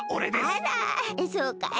あらそうかい。